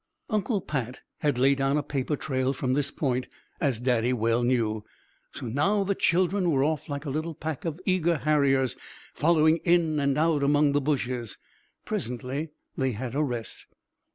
Uncle Pat had laid down a paper trail from this point, as Daddy well knew; so now the children were off like a little pack of eager harriers, following in and out among the bushes. Presently they had a rest.